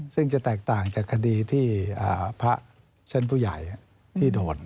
ซึ่งจะแตกต่างจากคดีที่พระชั้นผู้ใหญ่ที่โดด